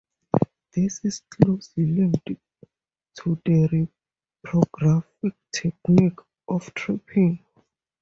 This is closely linked to the reprographic technique of 'trapping'.